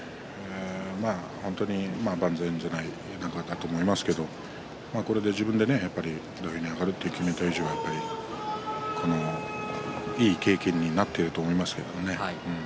本当に万全じゃない中だと思いますけれどもこれで自分で土俵に上がると決めた以上いい経験になっていると思いますけれどね。